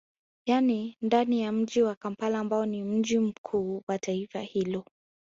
Yani ndani ya mji wa Kampala ambao ni mji mkuu wa taifa hilo